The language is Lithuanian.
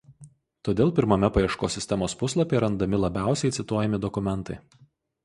Todėl pirmame paieškos sistemos puslapyje randami labiausiai cituojami dokumentai.